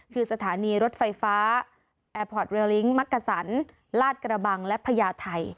คือสถานีรถไฟฟ้าแอร์พอร์ตเรลิ้งมักกะสันลาดกระบังและพญาไทย